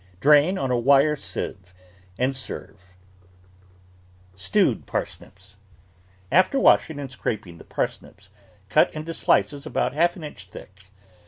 Drain on a wire sieve and serve. THE VEGETABLE GARDEN STEWED PARSNIPS After washing and scraping the parsnips, cut into shces about half an inch thick.